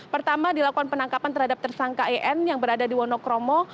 pertama dilakukan penangkapan terhadap tersangka en yang berada di wonokromo